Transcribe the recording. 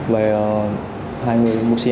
và hai người mua xe